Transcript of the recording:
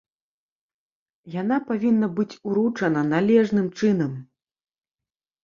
Яна павінна быць уручана належным чынам.